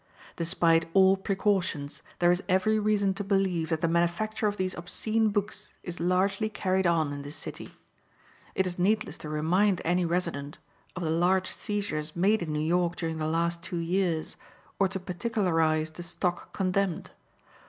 Despite all precautions, there is every reason to believe that the manufacture of these obscene books is largely carried on in this city. It is needless to remind any resident of the large seizures made in New York during the last two years, or to particularize the stock condemned.